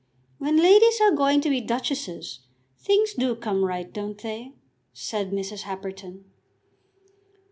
"When ladies are going to be duchesses, things do come right; don't they?" said Mrs. Happerton.